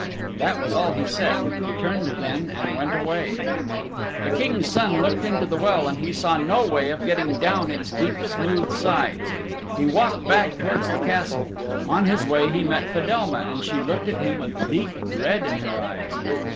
That was all he said. He turned then and went away. The King's Son looked into the well and he saw no way of getting down its deep smooth sides. He walked back towards the Castle. On his way he met Fedelma, and she looked at him with deep dread in her eyes.